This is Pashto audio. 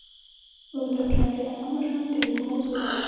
اوږده غرونه د افغان ماشومانو د لوبو موضوع ده.